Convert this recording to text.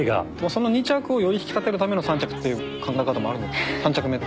その２着をより引き立てるための３着っていう考え方もあるのかな。